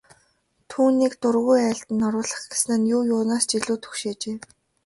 Түүнийг дургүй айлд нь оруулах гэсэн нь юу юунаас ч илүү түгшээжээ.